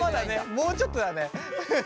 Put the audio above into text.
もうちょっとだね。